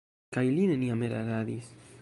Kaj li neniam eraradis.